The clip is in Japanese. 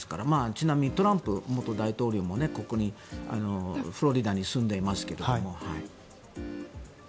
ちなみにトランプ元大統領もここ、フロリダに住んでいますけど。